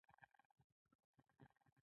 احمد وويل: نخرې مه کوه وخوره.